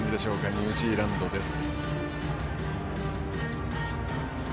ニュージーランドです。